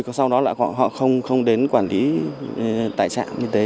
có sau đó là họ không đến quản lý tại trạm y tế